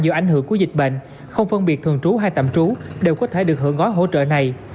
do ảnh hưởng của dịch bệnh không phân biệt thường trú hay tạm trú đều có thể được hưởng gói hỗ trợ này